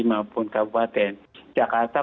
maupun kabupaten jakarta